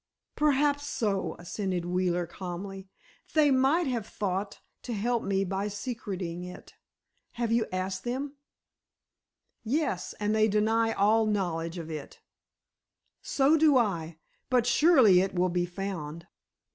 "Perhaps so," assented Wheeler, calmly. "They might have thought to help me by secreting it. Have you asked them?" "Yes, and they deny all knowledge of it." "So do I. But surely it will be found."